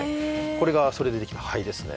これがそれでできた灰ですね